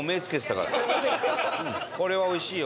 これはおいしいよ。